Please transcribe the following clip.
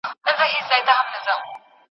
وروسته ستړیا او د غاړې درد راځي.